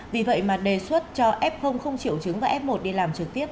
vì vậy mà đề xuất cho f triệu chứng và f một đi làm trực tiếp